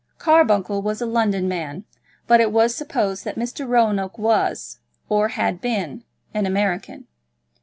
Carbuncle was a London man; but it was supposed that Mr. Roanoke was, or had been, an American.